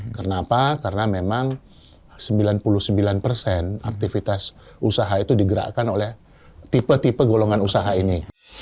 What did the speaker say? kenapa karena memang sembilan puluh sembilan persen aktivitas usaha itu digerakkan oleh tipe tipe golongan usaha ini